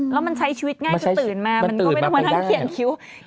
แล้วมันใช้ชีวิตง่ายจนตื่นมามันก็ไม่ต้องมานั่งเขียนคิ้ว